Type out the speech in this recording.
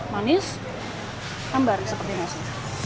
manis ambar seperti nasi